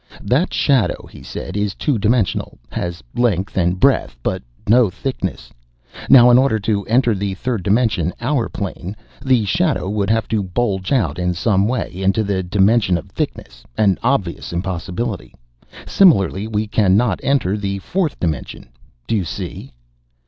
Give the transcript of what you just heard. "That shadow," he said, "is two dimensional, has length and breadth, but no thickness. Now in order to enter the third dimension, our plane, the shadow would have to bulge out in some way, into the dimension of thickness an obvious impossibility. Similarly, we can not enter the fourth dimension. Do you see?"